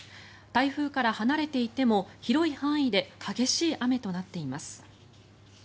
台風から離れていても広い範囲で激しい雨となっています。